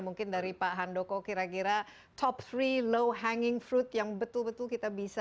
mungkin dari pak handoko kira kira top tiga low hanging fruit yang betul betul kita bisa